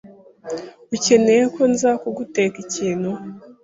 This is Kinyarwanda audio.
Ukeneye ko nza kuguteka ikintu?